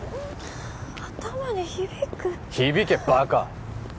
頭に響く響けバカ！